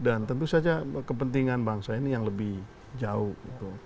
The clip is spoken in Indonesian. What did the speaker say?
dan tentu saja kepentingan bangsa ini yang lebih jauh